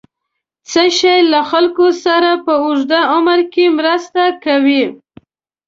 څه شی له خلکو سره په اوږد عمر کې مرسته کوي؟